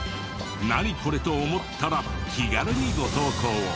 「ナニコレ？」と思ったら気軽にご投稿を。